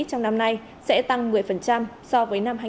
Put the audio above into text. trong năm nay sẽ tăng một mươi so với năm hai nghìn hai mươi ba